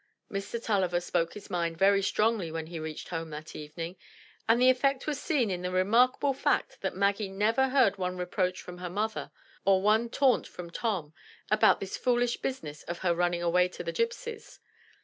Mr. TuUiver spoke his mind very strongly when he reached home that evening; and the effect was seen in the remarkable fact that Maggie never heard one reproach from her mother, or one taunt from Tom, about this foolish business of her nmning away to the gypsies.